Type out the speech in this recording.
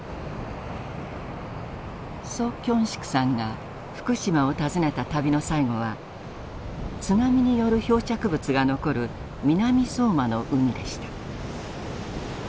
徐京植さんが福島を訪ねた旅の最後は津波による漂着物が残る南相馬の海でした。